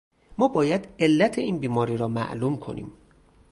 ما باید علت این بیماری را معلوم کنیم.